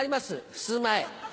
ふすま絵